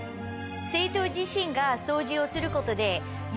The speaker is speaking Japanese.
生徒自身が掃除をすることで。